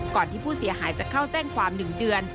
ที่ผู้เสียหายจะเข้าแจ้งความ๑เดือน